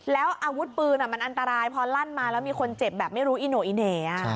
แล้วอาวุธปืนมันอันตรายพอลั่นมาแล้วมีคนเจ็บแบบไม่รู้อิโน่อีเหน่